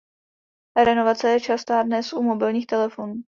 Renovace je častá dnes u mobilních telefonů.